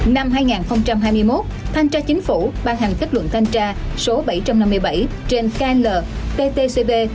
năm hai nghìn hai mươi một thanh tra chính phủ ban hành kết luận thanh tra số bảy trăm năm mươi bảy trên kltcb